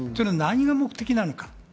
何が目的なのか。